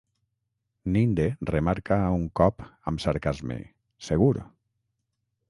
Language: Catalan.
Ninde remarca un cop amb sarcasme, "Segur!"